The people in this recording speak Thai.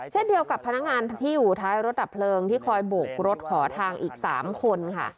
เช่นเดียวกับพนักงานที่อยู่ท้ายรถดับเพลิงที่คอยโบกรถขอทางอีก๓คนค่ะ